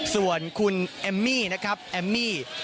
ส่วนคุณแอมมี่นะครับแอมมี่